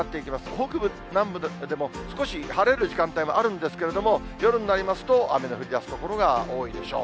北部、南部でも少し晴れる時間帯もあるんですけれども、夜になりますと、雨の降りだす所が多いでしょう。